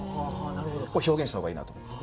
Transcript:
表現した方がいいなと思って。